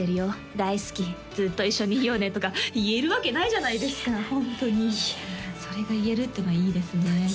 「大好き」「ずっと一緒にいようね」とか言えるわけないじゃないですか言えないホントにそれが言えるっていうのはいいですね